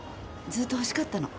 ずっと欲しかったの。